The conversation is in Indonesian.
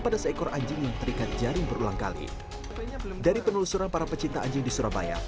dari penelusuran para pecinta anjing di surabaya